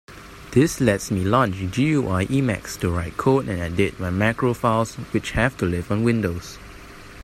This lets me launch GUI Emacs to write code and edit my macro files which have to live on Windows.